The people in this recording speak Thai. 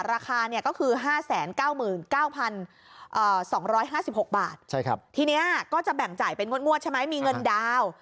ราคาก็คือ๕๙๙๒๕๖บาททีนี้ก็จะแบ่งจ่ายเป็นงวดใช่ไหมมีเงินดาวน์